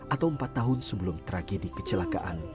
atau empat tahun sebelum tragedi kecelakaan